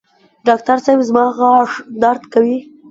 ډاکټر صېب زما غاښ درد کوي